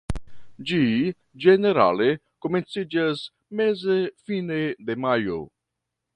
Ĝi ĝenerale komenciĝas meze-fine de majo.